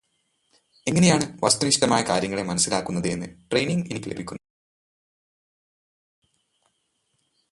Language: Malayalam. എങ്ങനെയാണ് വസ്തുനിഷ്ഠമായി കാര്യങ്ങളെ മനസ്സിലാക്കുന്നത് എന്ന ട്രെയിനിങ്ങ് എനിക്ക് ലഭിക്കുന്നത് എന്റെ പിജി പഠനകാലത്താണ്.